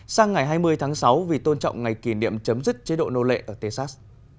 sang ngày hai mươi tháng sáu vì tôn trọng ngày kỷ niệm chấm dứt chế độ nô lệ ở texas